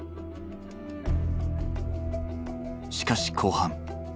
しかし後半。